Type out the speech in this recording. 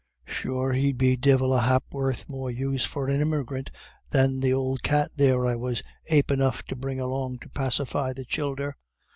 Sure he'd be divil a ha'porth more use for an immigrant than the ould cat there I was ape enough to bring along to pacify the childer.'